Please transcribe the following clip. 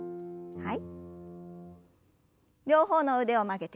はい。